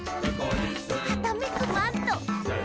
「はためくマント！」